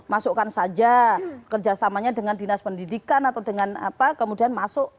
masukkan saja kerjasamanya dengan dinas pendidikan atau dengan apa kemudian masuk